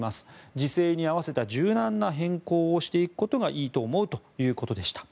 時勢に合わせた柔軟な変更をしていくのがいいと思うと話していました。